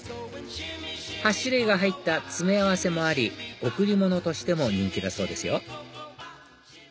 ８種類が入った詰め合わせもあり贈り物としても人気だそうですよ